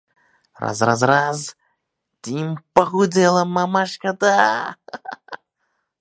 — Raz-raz-raz! Tm poxudela, mamashka, da!